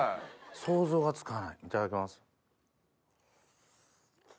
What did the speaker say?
想像がつかないいただきます。